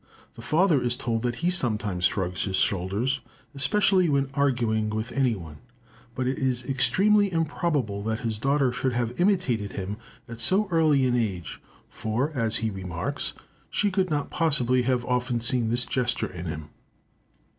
The father is told that he sometimes shrugs his shoulders, especially when arguing with any one; but it is extremely improbable that his daughter should have imitated him at so early an age; for, as he remarks, she could not possibly have often seen this gesture in him.